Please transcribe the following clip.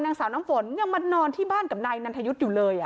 นางสาวน้ำฝนยังมานอนที่บ้านกับนายนันทยุทธ์อยู่เลย